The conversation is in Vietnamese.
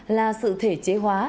là sự thể chế hóa